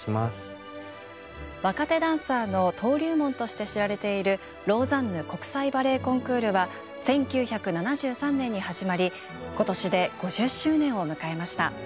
若手ダンサーの登竜門として知られているローザンヌ国際バレエコンクールは１９７３年に始まり今年で５０周年を迎えました。